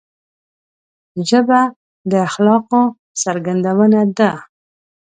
ژبه د اخلاقو څرګندونه ده